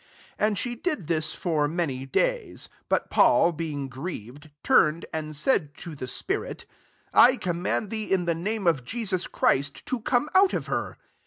18 And she did this for many days. But Paul being grieved, turned, and said to the spirit, ^' I command thee in the name of Jesus Christ, to come out of her."